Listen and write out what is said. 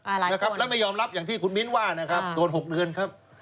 อะไรนะครับแล้วไม่ยอมรับอย่างที่คุณมิ้นว่านะครับโดน๖เดือนครับ